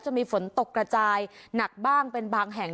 จะมีฝนตกกระจายหนักบ้างเป็นบางแห่ง